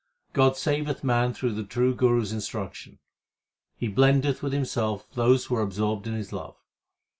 God saveth man through the true Guru s instruction ; He blendeth with Himself those who are absorbed in His love.